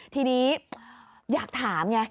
ทีนี้อยากถามไง